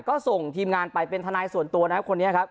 ก็ส่งทีมงานไปเป็นทนายส่วนตัวคนนี้นะครับ